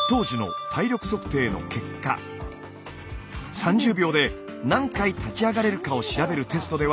３０秒で何回立ち上がれるかを調べるテストでは